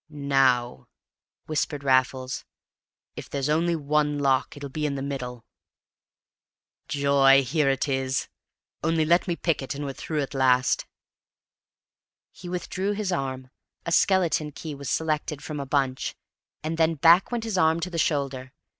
"Now," whispered Raffles, "if there's only one lock it'll be in the middle. Joy! Here it is! Only let me pick it, and we're through at last." He withdrew his arm, a skeleton key was selected from the bunch, and then back went his arm to the shoulder.